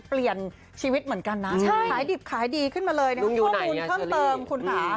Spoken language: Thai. เปลี่ยนชีวิตเหมือนกันนะขายดิบขายดีขึ้นมาเลยนะครับข้อมูลเพิ่มเติมคุณค่ะ